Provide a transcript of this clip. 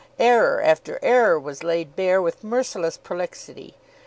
Error after error was laid bare with merciless prolixity.